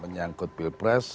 menyangkut p dahai